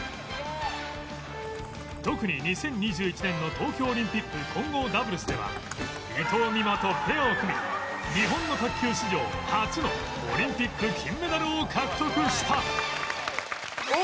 特に２０２１年の東京オリンピック混合ダブルスでは伊藤美誠とペアを組み日本の卓球史上初のオリンピック金メダルを獲得した